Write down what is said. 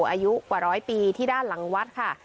อายุกว่าร้อยปีที่ด้านหลังวัดค่ะ